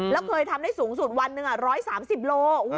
แล้วเคยทำได้สูงสุดวันหนึ่ง๑๓๐โล